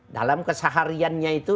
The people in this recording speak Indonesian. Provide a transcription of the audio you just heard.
dalam kesehariannya itu